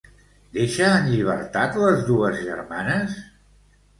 Deixa en llibertat les dues germanes?